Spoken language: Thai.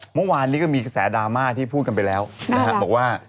เมื่อวานนี้ก็มีกระแสดราม่าที่พูดกันไปแล้วนะฮะบอกว่า